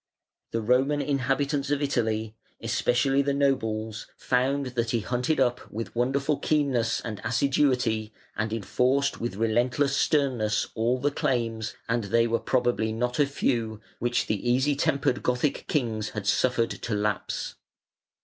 The Roman inhabitants of Italy, especially the nobles, found that he hunted up with wonderful keenness and assiduity, and enforced with relentless sternness all the claims and they were probably not a few which the easy tempered Gothic kings had suffered to lapse.